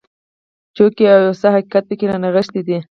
ټوکې او یو څه حقیقت پکې رانغښتی دی.